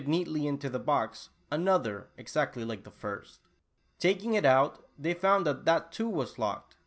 neatly into the box, another, exactly like the lirst. Takincr it out, they found that that too was locked.